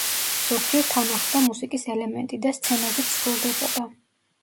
ზოგჯერ თან ახლდა მუსიკის ელემენტი და სცენაზეც სრულდებოდა.